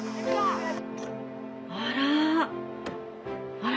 あら？